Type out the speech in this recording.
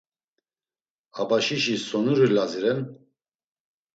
Abaşişis sonuri Lazi ren?